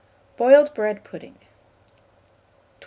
BOILED BREAD PUDDING. 1252.